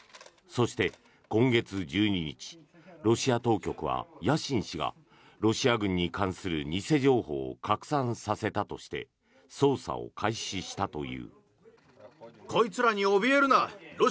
そして、今月１２日ロシア当局はヤシン氏がロシア軍に関する偽情報を拡散させたとして捜査を開始したという。